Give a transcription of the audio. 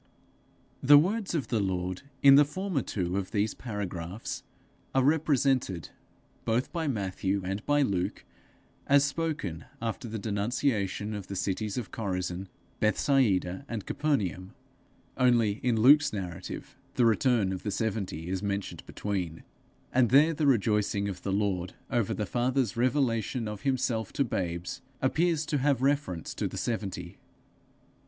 The words of the Lord in the former two of these paragraphs, are represented, both by Matthew and by Luke, as spoken after the denunciation of the cities of Chorazin, Bethsaida, and Capernaum; only in Luke's narrative, the return of the seventy is mentioned between; and there the rejoicing of the Lord over the Father's revelation of himself to babes, appears to have reference to the seventy.